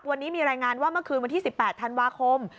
วันนี้มีรายงานว่าเมื่อคืนวันที่๑๘ธันวาคม